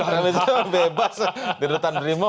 remisi bebas di rutan brimob